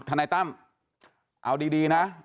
ธนาตรรีต้ำเอาดีนะ